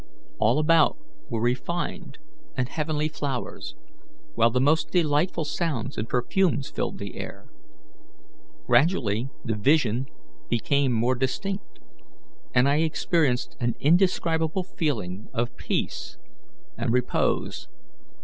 All about were refined and heavenly flowers, while the most delightful sounds and perfumes filled the air. Gradually the vision became more distinct, and I experienced an indescribable feeling of peace and repose.